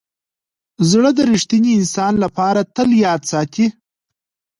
زړه د ریښتیني انسان لپاره تل یاد ساتي.